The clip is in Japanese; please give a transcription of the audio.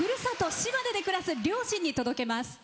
島根で暮らす両親に届けます。